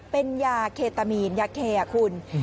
เป็นยาเคตามีนยาเคคุณ